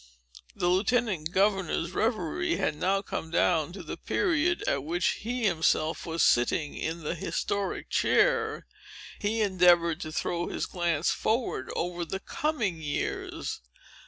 The Lieutenant Governor's reverie had now come down to the period at which he himself was sitting in the historic chair. He endeavored to throw his glance forward, over the coming years.